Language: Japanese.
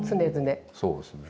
そうですね。